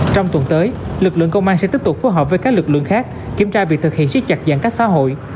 trong tuần tới lực lượng công an sẽ tiếp tục phối hợp với các lực lượng khác kiểm tra việc thực hiện siết chặt giãn cách xã hội